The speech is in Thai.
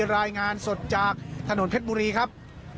รายงานสดจากถนนเพชรบุรีครับ